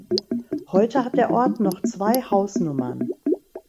Heute hat der Ort noch zwei Hausnummern.